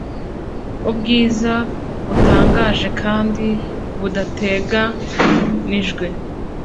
Ubwiza butangaje kandi budateganijwe